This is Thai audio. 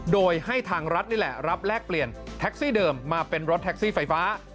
โดยให้ทางรัฐนี่แหละรับแลกเปลี่ยนแท็กซี่เดิมมาเป็นรถแท็กซี่ไฟฟ้า